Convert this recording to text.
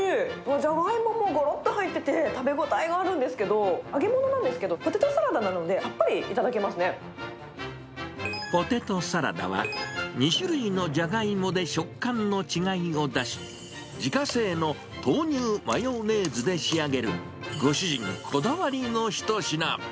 ジャガイモもごろっと入ってて、食べ応えがあるんですけど、揚げ物なんですけど、ポテトサラダなんで、ポテトサラダは、２種類のじゃがいもで食感の違いを出し、自家製の豆乳マヨネーズで仕上げる、ご主人こだわりの一品。